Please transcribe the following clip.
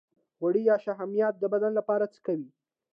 غوړ یا شحمیات د بدن لپاره څه کوي